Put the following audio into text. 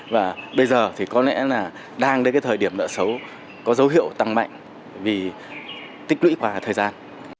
và bây giờ thì có lẽ là đang đến cái thời điểm nợ xấu có dấu hiệu tăng mạnh vì tích lũy qua thời gian